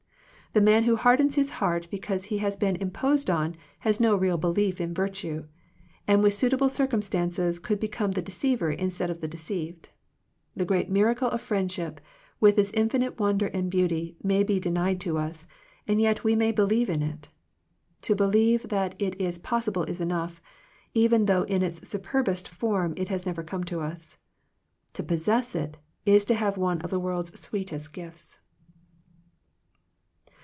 The man who hardens his heart because he has been imposed on has no real belief in virtue, and with suitable circumstances could become the deceiver instead of the de ceived. The great miracle of friendship with its infinite wonder and beauty may be denied to us, and yet we may believe in it. To believe that it is possible is enough, even though in its superbest form it has never come to us. To pos sess it, is to have one of the world's sweetest gifts.